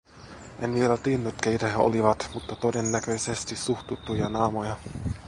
En vielä tiennyt keitä he olivat, mutta todennäköisesti suht tuttuja naamoja.